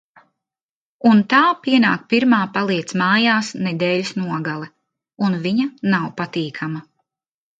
Un tā pienāk pirmā "paliec mājās" nedēļas nogale un viņa nav patīkama.